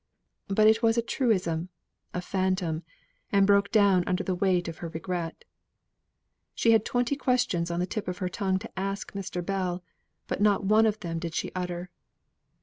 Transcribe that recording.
But it was a truism, a phantom, and broke down under the weight of her regret. She had twenty questions on the tip of her tongue to ask Mr. Bell, but not one of them did she utter.